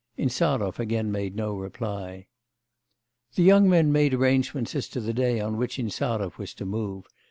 Insarov again made no reply. The young men made arrangements as to the day on which Insarov was to move.